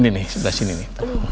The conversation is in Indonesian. ini nih sebelah sini